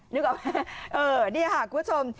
นึกออกไหมนี่ค่ะคุณผู้ชม